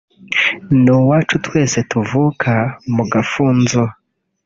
ni uwacu twese tuvuka mu Gafunzo